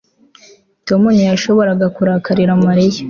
tom ntiyashoboraga kurakarira mariya